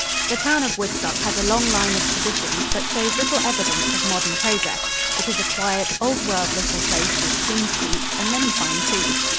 The town of Woodstock has a long line of traditions, but shows little evidence of modern progress. It is a quiet, old world little place with clean streets and many fine trees.